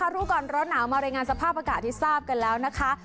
รู้ก่อนเมื่อก่อนเวลาหนาวมาเรียนมาสภาพอากาศที่ทราบกันแล้วนะคะ